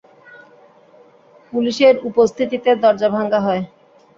পুলিশের উপস্থিতিতে দরজা ভাঙা হয়।